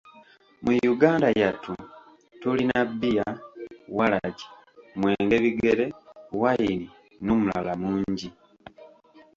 Mu Yuganga yattu tulina; Beer, Walagi, mwenge bigere, Wine, N’omulala mungi.